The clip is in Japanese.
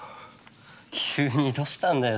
急にどうしたんだよ